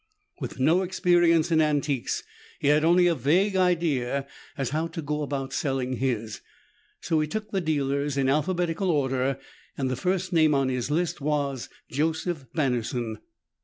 With no experience in antiques, he had only a vague idea as to how to go about selling his, so he took the dealers in alphabetical order and the first name on his list was Joseph Barnerson.